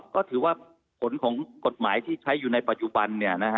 ก็ถือว่าผลของกฎหมายที่ใช้อยู่ในปัจจุบัน